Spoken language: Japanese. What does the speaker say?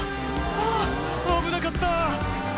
「あぁ危なかった」